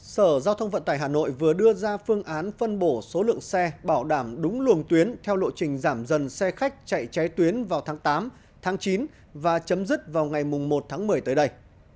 sở giao thông vận tải hà nội vừa đưa ra phương án phân bổ số lượng xe bảo đảm đúng luồng tuyến theo lộ trình giảm dần xe khách chạy cháy tuyến vào tháng tám tháng chín và chấm dứt vào ngày một tháng một mươi tới đây